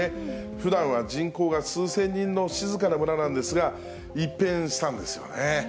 ふだんは人口が数千人の静かな村なんですが、一変したんですよね。